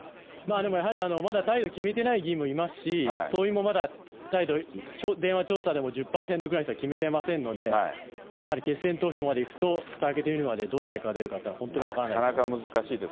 でもやはりまだ態度を決めてない議員もいますし、党員もまだ態度、電話調査でも１０％ぐらいの人は決めていませんので、やはり決選投票までいくと、ふた開けてみるまでどういう結果が出るかっていうのは、本当に分からないと思います。